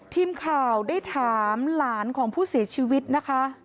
ทีมข่าวได้ถามหลานของผู้เสียชีวิตนะคะ